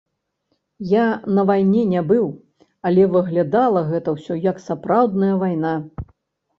Я на вайне не быў, але выглядала гэта ўсё, як сапраўдная вайна.